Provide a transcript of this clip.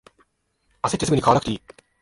あせってすぐに買わなくていい